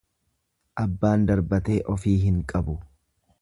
Abbaan darbatee ofii hin qabu.